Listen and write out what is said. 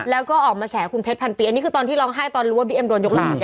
แล้วก็ออกมาแฉคุณเพชรพันปีอันนี้คือตอนที่ร้องไห้ตอนรู้ว่าบิ๊กเอ็มโดนยกหลาน